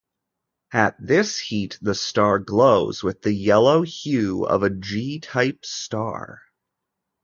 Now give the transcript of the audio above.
At this heat, the star glows with the yellow hue of a G-type star.